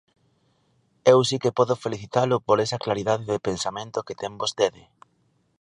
Eu si que podo felicitalo por esa claridade de pensamento que ten vostede.